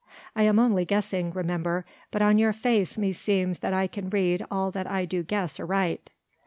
I am only guessing, remember, but on your face, meseems that I can read that I do guess aright."